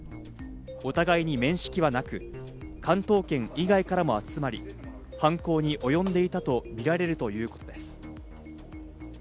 お互いに面識はなく、関東圏以外からも集まり、犯行におよんでいたとみられるということです。